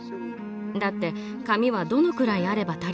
だって紙はどのくらいあれば足りるでしょうか？